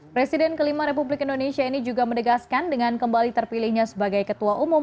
presiden kelima republik indonesia ini juga mendegaskan dengan kembali terpilihnya sebagai ketua umum